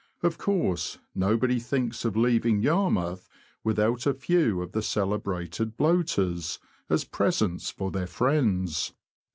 Of course, nobody thinks of leaving Yarmouth without a few of the celebrated bloaters, as presents for their friends.